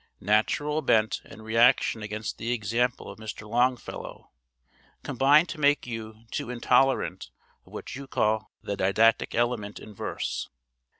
Natural bent, and reaction against the example of Mr. Longfellow, combined to make you too intolerant of what you call the 'didactic' element in verse.